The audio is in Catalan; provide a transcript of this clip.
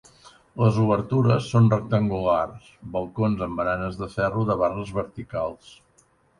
Les obertures són rectangulars, balcons amb baranes de ferro de barres verticals.